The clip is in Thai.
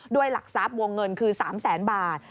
ด้วยหลักทรัพย์วงเงินคือ๓๐๐๐๐๐บาท